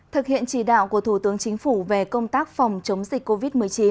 thực hiện chỉ đạo của thủ tướng chính phủ về công tác phòng chống dịch covid một mươi chín